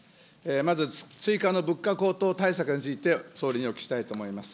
まず追加の物価高騰対策について総理にお聞きしたいと思います。